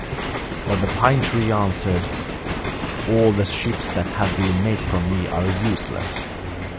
But the pine tree answered: 'All the ships that have been made from me are useless.